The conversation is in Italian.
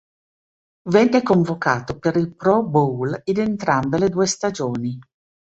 Venne convocato per il Pro Bowl in entrambe le due stagioni.